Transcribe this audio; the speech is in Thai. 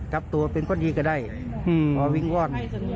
กลับตัวเป็นคนดีก็ได้เพราะวิ่งว่อน